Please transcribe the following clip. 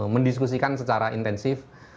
mendiskusikan secara intensif